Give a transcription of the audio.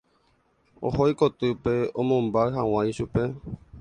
Oho ikotýpe omombáy hag̃ua ichupe.